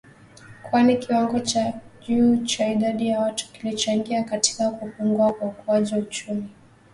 Kwani kiwango cha juu cha idadi ya watu kilichangia katika kupungua kwa ukuaji wa uchumi